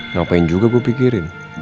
ngapain juga gue pikirin